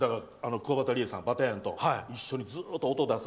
くわばたりえさん、ばたやんと一緒にずっと音を出す。